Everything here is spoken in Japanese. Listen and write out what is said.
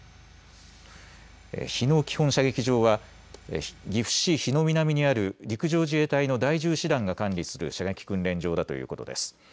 日野基本射撃場は岐阜市日野南にある陸上自衛隊の第１０師団が管理する射撃訓練場だということです。